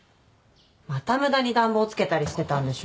また無駄に暖房つけたりしてたんでしょ？